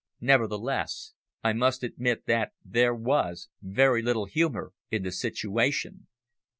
Nevertheless, I must admit that there was very little humour in the situation.